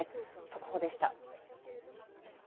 速報でした。